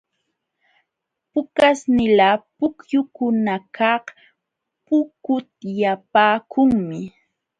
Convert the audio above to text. Pukaśhnila pukyukunakaq pukutyapaakunmi.